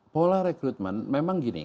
pola rekrutmen memang gini